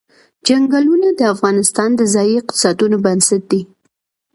چنګلونه د افغانستان د ځایي اقتصادونو بنسټ دی.